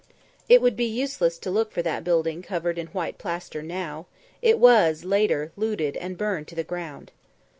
It would be useless to look for that building covered in white plaster now; it was, later, looted and burned to the ground.